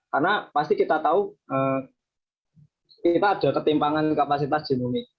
karena pasti kita tahu kita ada ketimpangan kapasitas genomik